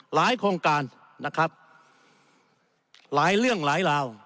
โครงการนะครับหลายเรื่องหลายราว